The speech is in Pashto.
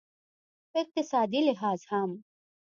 په اقتصادي لحاظ هم